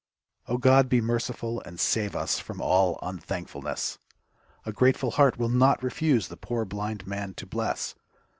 . Oh, God, be merciful and save Us from all un thank fulness ! A grateful heart will not refuse The poor blind man to bless.